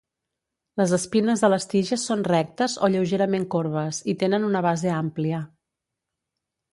Les espines a les tiges són rectes o lleugerament corbes i tenen una base àmplia.